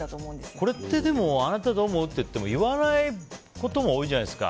これって、でもあなた、どう思う？って言っても言わないことも多いじゃないですか。